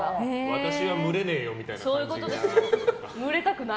私は群れねえよみたいな。